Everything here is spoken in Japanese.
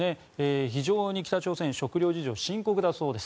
非常に北朝鮮食糧事情が深刻だそうです。